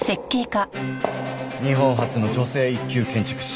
日本初の女性一級建築士。